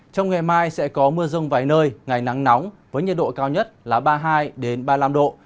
trong ngày mai sẽ có mưa rông vài nơi ngày nắng nóng với nhiệt độ cao nhất là ba mươi hai ba mươi năm độ